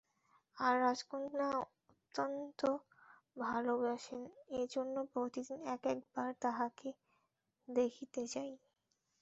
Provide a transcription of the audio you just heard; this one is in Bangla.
আর রাজকন্যা অত্যন্ত ভালবাসেন এজন্য প্রতিদিন এক এক বার তাঁহাকে দেখিতে যাই।